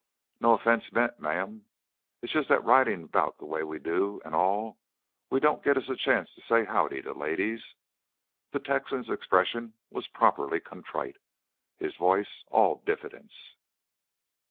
"No offense meant, ma'am. It's jus' that ridin' 'bout the way we do an' all, we don't git us a chance to say Howdy to ladies." The Texan's expression was properly contrite; his voice all diffidence.